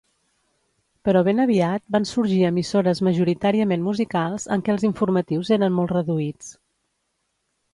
Però ben aviat van sorgir emissores majoritàriament musicals, en què els informatius eren molt reduïts.